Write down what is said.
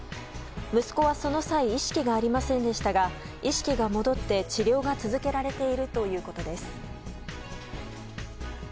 息子は、その際意識がありませんでしたが意識が戻って治療が続けられているということです。